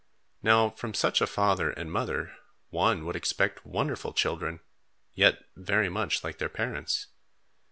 Now from such a father and mother one would expect wonderful children, yet very much like their parents.